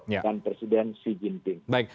dan presiden xi jinping